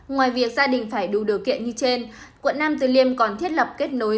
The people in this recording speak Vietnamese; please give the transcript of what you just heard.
ngoài việc gia đình phải đủ điều kiện như trên quận nam từ liêm còn thiết lập kết nối